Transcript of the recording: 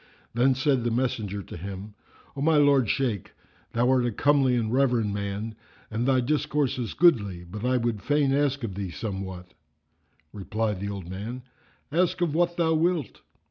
Then said the messenger to him, "O my lord Shaykh, thou art a comely and reverend man, and thy discourse is goodly; but I would fain ask thee of somewhat." Replied the old man, "Ask of what thou wilt!"